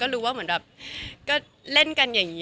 รู้ว่าแบบเล่นกันอย่างนี้